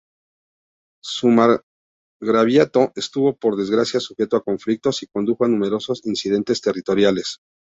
Su margraviato estuvo por desgracia sujeto a conflictos, y condujo a numerosos incidentes territoriales.